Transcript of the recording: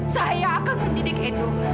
saya akan menjadik edo